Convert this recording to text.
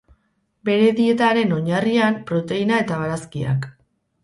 Bere dietaren oinarrian, proteina eta barazkiak.